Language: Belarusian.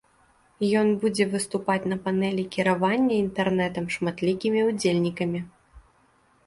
Ён будзе выступаць на панэлі кіравання інтэрнэтам шматлікімі ўдзельнікамі.